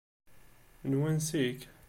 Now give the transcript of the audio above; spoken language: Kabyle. N wansi-k?